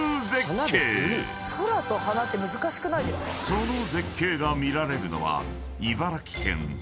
［その絶景が見られるのは］